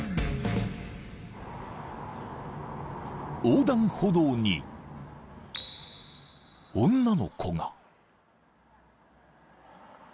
［横断歩道に女の子が］